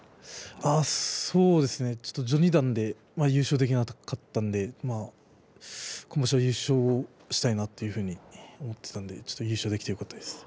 そうですね、序二段で優勝できなかったんで今場所優勝したいなというふうに思っていたので優勝できてよかったです。